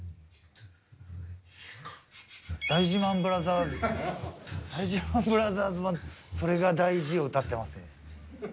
大事ＭＡＮブラザーズ大事ＭＡＮブラザーズバンド「それが大事」を歌ってますね